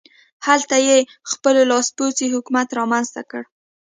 هلته یې خپل لاسپوڅی حکومت رامنځته کړ.